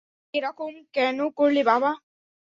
এরকম কেন করলে বাবা?